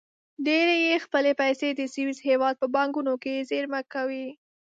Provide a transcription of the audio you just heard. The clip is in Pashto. ډېری یې خپلې پیسې د سویس هېواد په بانکونو کې زېرمه کوي.